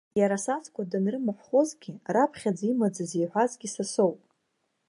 Иара асаӡқәа данрымаҳәхозгьы раԥхьаӡа имаӡа зеиҳәазгьы са соуп.